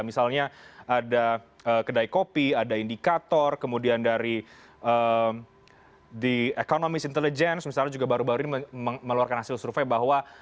misalnya ada kedai kopi ada indikator kemudian dari the economist intelligence misalnya juga baru baru ini mengeluarkan hasil survei bahwa